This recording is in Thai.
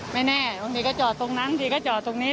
ไม่แน่บางทีก็จอดตรงนั้นทีก็จอดตรงนี้